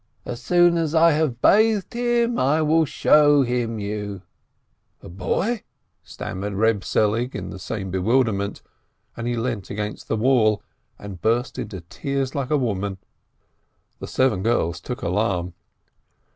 "As soon as I have bathed him, I will show him you !" "A boy ... a boy ..." stammered Eeb Selig in the same bewilderment, and he leant against the wall, and burst into tears like a woman. The seven girls took alarm.